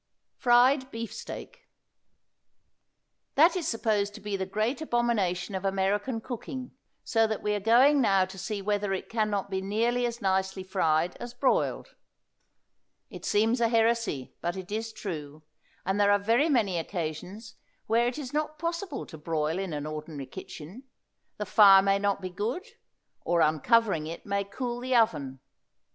FRIED BEEFSTEAK. That is supposed to be the great abomination of American cooking, so that we are going now to see whether it can not be nearly as nicely fried as broiled. It seems a heresy, but it is true, and there are very many occasions where it is not possible to broil in an ordinary kitchen; the fire may not be good, or uncovering it may cool the oven.